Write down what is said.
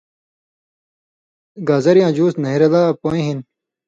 گازریاں جُوس نہرہۡ لا پویں ہِن